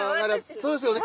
そうですよね？